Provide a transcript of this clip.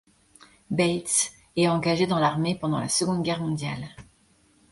Bates est engagé dans l'armée pendant la Seconde Guerre mondiale.